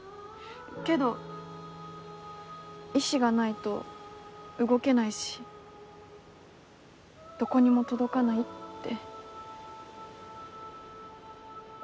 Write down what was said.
けど意思がないと動けないしどこにも届かないって。